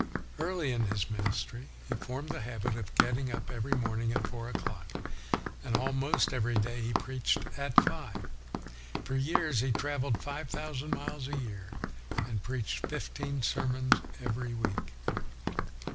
Early in his ministry he formed WESLEY the habit of getting up every morning at four o'clock; and almost every day he preached at five. For years he traveled five thousand miles a year and preached fifteen sermons every week.